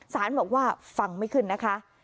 สารบอกว่าฟังไม่ขึ้นนะคะ